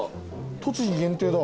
栃木限定の。